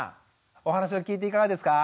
お話を聞いていかがですか？